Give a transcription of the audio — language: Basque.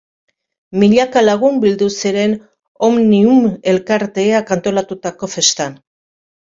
Milaka lagun bildu ziren Omnium elkarteak antolatutako festan.